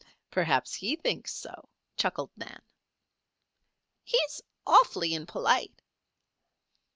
"Perhaps he thinks so," chuckled Nan. "He's awfully impolite."